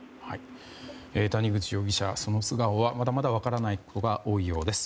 谷口容疑者、その素顔はまだまだ分からないことが多いようです。